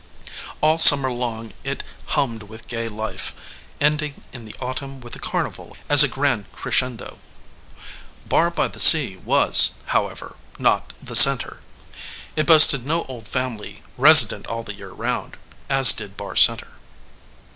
All summer long it hummed with gay life, ending in the autumn with a carnival as a grand crescendo. Barr by the Sea was, however, not the center. It boasted no old family, resident all the year round, as did Barr Center.